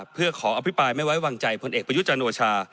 เพื่อขออภิปรายไม่ไว้วางใจพลเอกประยุจันทร์โอชา